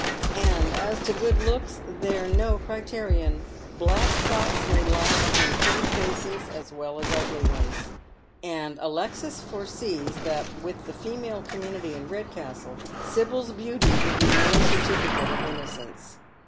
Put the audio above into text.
And as to good looks, they're no criterion. Black thoughts may lie behind pretty faces as well as ugly ones." And Alexis foresees that, with the female community in Red castle, Sibyl's beauty wiU be no certificate of innocence.